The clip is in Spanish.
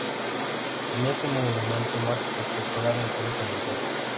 Este es el monumento más espectacular de todo el cementerio.